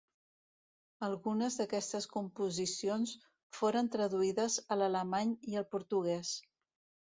Algunes d'aquestes composicions foren traduïdes a l'alemany i al portuguès.